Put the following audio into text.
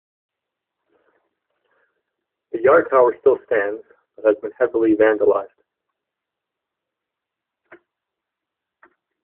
The yard tower still stands but has been heavily vandilized.